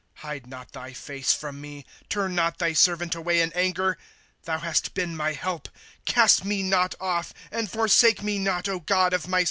^ Hide not thy face from me ; Turn not thy servant away in anger. Thou hast been my help ; Cast me not off, and forsake me not, God of my salvation.